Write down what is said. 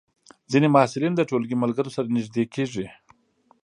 ځینې محصلین د ټولګي ملګرو سره نږدې کېږي.